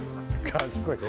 かっこいいな。